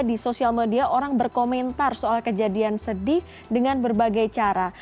di sosial media orang berkomentar soal kejadian sedih dengan berbagai cara